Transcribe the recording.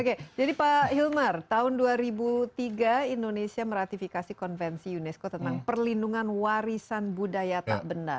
oke jadi pak hilmar tahun dua ribu tiga indonesia meratifikasi konvensi unesco tentang perlindungan warisan budaya tak benda